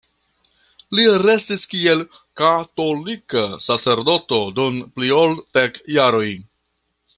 Li restis kiel katolika sacerdoto dum pli ol dek jaroj.